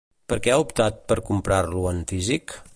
Per què ha optat per comprar-lo en físic?